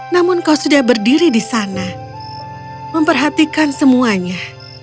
namun kau sudah berdiri di sana memperhatikan semuanya